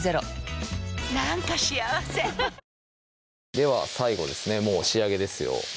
では最後ですねもう仕上げですよ